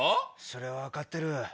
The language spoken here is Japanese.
それは分かってる。